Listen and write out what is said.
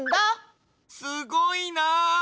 すごいな！